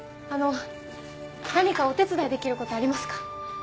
あの何かお手伝いできることありますか？